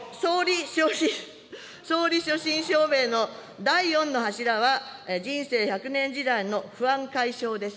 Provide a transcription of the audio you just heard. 総理所信表明の第４の柱は人生１００年時代の不安解消です。